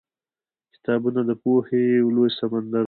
کتابونه د پوهې لوی سمندر دی.